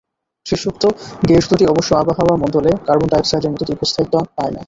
শেষোক্ত gas দুটি অবশ্য আবহাওয়া মণ্ডলে কার্বন ডাইঅক্সাইডের মতো দীর্ঘস্থায়িত্ব পায় না।